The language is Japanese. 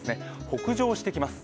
北上してきます。